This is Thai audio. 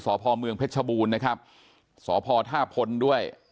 สพเมืองเพชรบูรณ์สพท่าพลด้วย